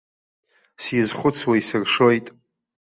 Сизхәыцуа исыршоит.